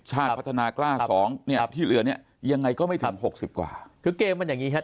ชาติพัฒนากล้าสองเนี่ยที่เหลือเนี้ยยังไงก็ไม่ถึงหกสิบกว่าคือเกมมันอย่างงี้ครับ